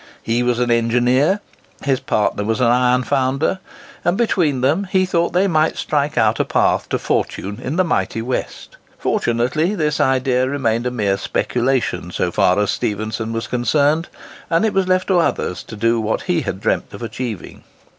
He was an engineer, his partner was an iron founder; and between them he thought they might strike out a path to fortune in the mighty West. Fortunately, this idea remained a mere speculation so far as Stephenson was concerned: and it was left to others to do what he had dreamt of achieving.